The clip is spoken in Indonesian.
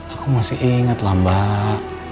aku masih ingat lah mbak